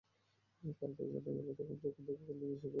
কারণটা জানা গেল তখন, যখন দেখা গেল নিশো ওয়াশরুম থেকে আসছেন এদিকেই।